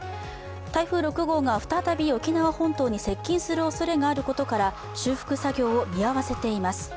台風６号が再び沖縄本島に接近するおそれがあることから修復作業を見合わせています。